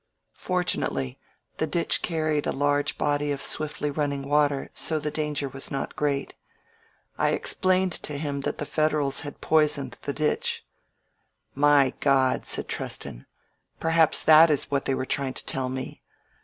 ..." Fortunately the ditch carried a large body of swiftly running water, so the danger was not great. I ex« plained to him that the Federals had poisoned the ditch. "My Grod," said Treston. "Perhaps that is what they were trying to tell me.